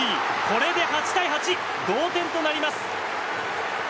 これで８対８、同点となります。